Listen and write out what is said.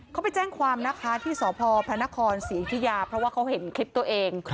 เขาไปแจ้งความนะคะที่สพพศศิษยาเพราะว่าเขาเห็นคลิปตัวเอง